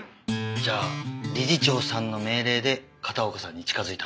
じゃあ理事長さんの命令で片岡さんに近づいたんですか？